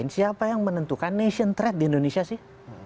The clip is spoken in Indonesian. siapa yang menentukan nation threat di indonesia sih